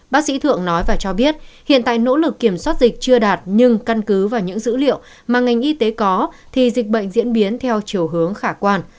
bác sĩ thượng nói và cho biết hiện tại nỗ lực kiểm soát dịch chưa đạt nhưng căn cứ vào những dữ liệu mà ngành y tế có thì dịch bệnh diễn biến theo chiều hướng khả quan